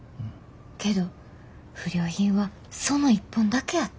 けど不良品はその一本だけやった。